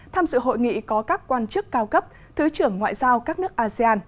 tham dự hội nghị có các quan chức cao cấp thứ trưởng ngoại giao các nước asean